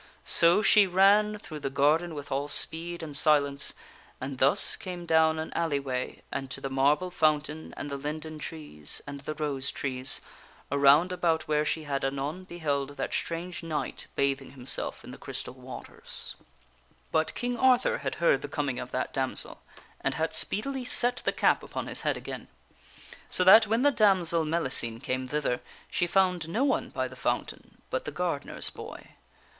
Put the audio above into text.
So she ran through the garden with all speed and silence, and thus came down an alley way and to the marble fountain and the linden trees and the rose trees around about where she had anon beheld that strange knight bathing himself in the crystal waters. MELLICENE AND THE KNIGHT 85 But King Arthur had heard the coming of that damsel, and had speed ily set the cap upon his head again. So that when the damsel Mellicene came thither, she found no one by the fountain but the gar The dams ifi nd . dener's boy.